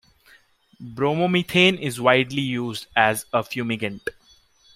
Bromomethane is widely used as a fumigant.